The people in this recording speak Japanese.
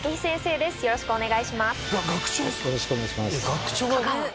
よろしくお願いします。